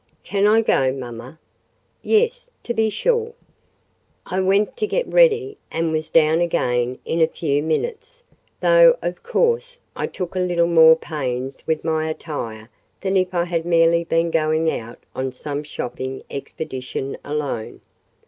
"Can I go, mamma?" "Yes; to be sure." I went to get ready, and was down again in a few minutes; though, of course, I took a little more pains with my attire than if I had merely been going out on some shopping expedition alone.